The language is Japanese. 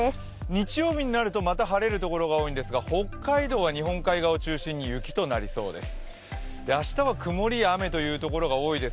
日曜日になると、また晴れる所が多いんですが北海道は日本海側を中心に雪となりそうです。